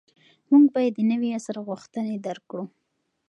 موږ باید د نوي عصر غوښتنې درک کړو.